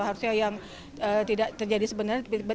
harusnya yang tidak terjadi sebenarnya